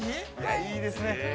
◆いいですね。